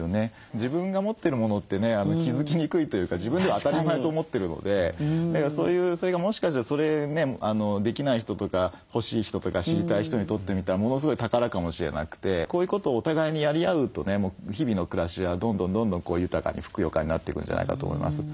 自分が持ってるものってね気付きにくいというか自分では当たり前と思ってるのでそういうそれがもしかしてそれねできない人とか欲しい人とか知りたい人にとってみたらものすごい宝かもしれなくてこういうことをお互いにやり合うとね日々の暮らしはどんどんどんどん豊かにふくよかになってくんじゃないかと思います。